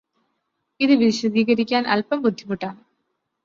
ഇത് വിശദീകരിക്കാന് അല്പം ബുദ്ധിമുട്ടാണ്